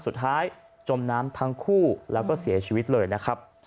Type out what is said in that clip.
จมน้ำทั้งคู่แล้วก็เสียชีวิตเลยนะครับ